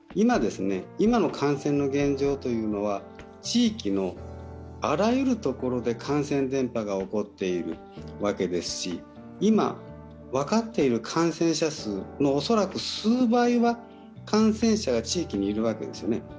今の感染の現状というのは地域のあらゆる所で感染伝播が起こっているわけですし、今分かっている感染者数の恐らく数倍は感染者が地域にいるわけですよね。